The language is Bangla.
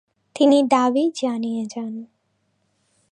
তিনি দাবি জানিয়ে যান।